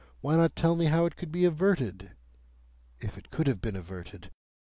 Why not tell me how it could be averted,—if it could have been averted?